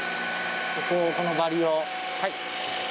ここをこのバリを。